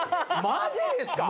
マジですか？